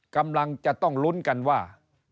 กำลังจะต้องลุ้นกันว่า